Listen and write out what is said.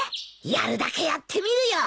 やるだけやってみるよ。